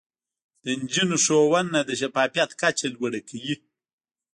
د نجونو ښوونه د شفافيت کچه لوړه کوي.